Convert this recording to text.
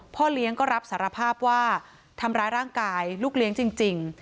พ่อเลี้ยงก็รับสารภาพว่าทำร้ายร่างกายลูกเลี้ยงจริง